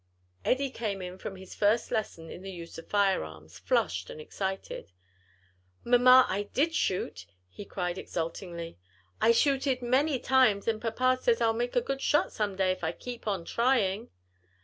Eddie came in from his first lesson in the use of firearms, flushed and excited. "Mamma, I did shoot," he cried exultingly, "I shooted many times, and papa says I'll make a good shot some day if I keep on trying."